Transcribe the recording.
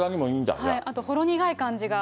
あと、ほろ苦い感じが。